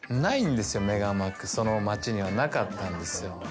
その街にはなかったんですよ。